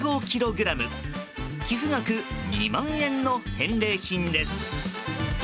寄付額２万円の返礼品です。